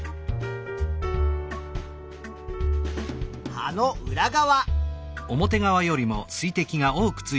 葉の裏側。